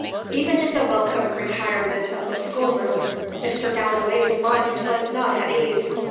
Even in the welcome retirement of the school room, Mr. Gallilee's mind was not at ease.